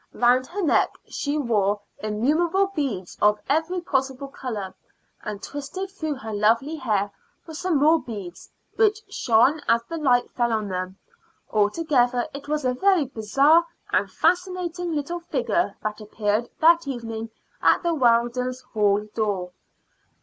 Round her neck she wore innumerable beads of every possible color, and twisted through her lovely hair were some more beads, which shone as the light fell on them. Altogether it was a very bizarre and fascinating little figure that appeared that evening at the Weldons' hall door.